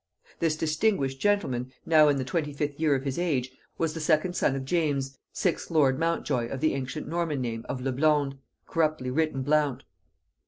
This distinguished gentleman, now in the twenty fifth year of his age, was the second son of James sixth lord Montjoy of the ancient Norman name of Le Blonde, corruptly written Blount.